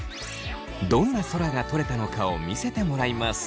どんな空が撮れたのかを見せてもらいます。